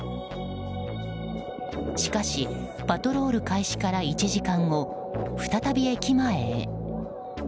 しかしパトロール開始から１時間後再び駅前へ。